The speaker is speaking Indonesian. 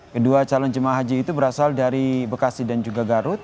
kedua calon jemaah haji itu berasal dari bekasi dan juga garut